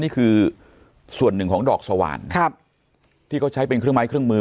นี่คือส่วนหนึ่งของดอกสว่านครับที่เขาใช้เป็นเครื่องไม้เครื่องมือ